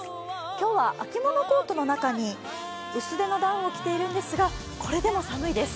今日は秋物コートの中に薄手のダウンを着ているんですがこれでも寒いです。